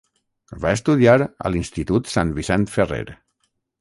Va estudiar a l'institut Sant Vicent Ferrer.